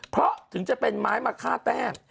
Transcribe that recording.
เพราะถึงจะเป็นไม้มะค่าแต้ม